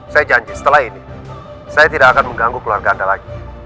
saya janji setelah ini saya tidak akan mengganggu keluarga anda lagi